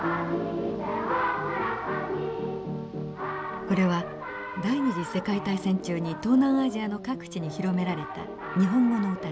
これは第二次世界大戦中に東南アジアの各地に広められた日本語の歌です。